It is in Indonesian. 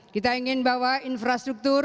kita ingin bahwa infrastruktur